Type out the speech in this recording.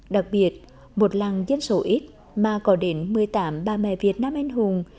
đặc biệt một làng dân số ít mà có đến một mươi tám bà mẹ việt nam anh hùng